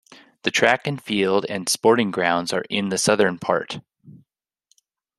The track and field and sporting grounds are in the southern part.